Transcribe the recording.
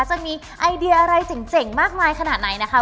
จะมีไอเดียอะไรเจ๋งมากมายขนาดไหนนะคะ